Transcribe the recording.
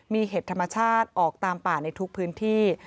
มีเห็ดธรรมชาติออกตามป่าในทุกพื้นที่